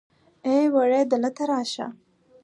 ای وړې دلته راشه.